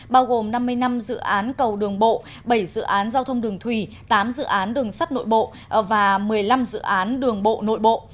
bao gồm năm mươi năm dự án cầu đường bộ bảy dự án giao thông đường thủy tám dự án đường sắt nội bộ và một mươi năm dự án đường bộ nội bộ